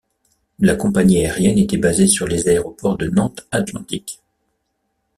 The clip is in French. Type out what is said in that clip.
La compagnie aérienne était basée sur les aéroports de Nantes Atlantique.